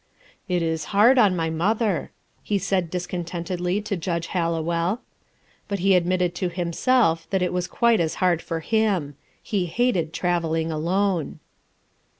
"It is hard on my mother," he sa id discon tentedly to Judge Ilallowell. But he admitted to himself that it was quite as hard for him he hated travelling alone.